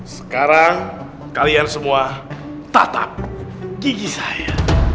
sekarang kalian semua tatap gigi saya